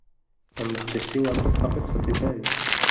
لم نخذش سوى سطح قصّة سامي.